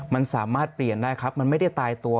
มันสามารถเปลี่ยนได้ครับมันไม่ได้ตายตัว